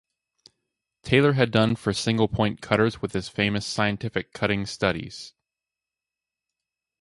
Taylor had done for single-point cutters with his famous scientific cutting studies.